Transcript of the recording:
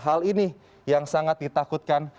hal ini yang sangat ditakutkan